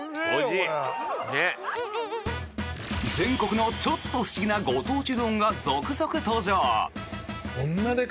全国のちょっと不思議なご当地うどんが続々登場！